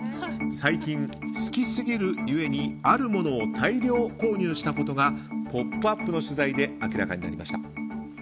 最近好きすぎる故にあるものを大量購入したことが「ポップＵＰ！」の取材で明らかになりました。